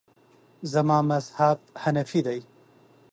زما مذهب حنیفي دی.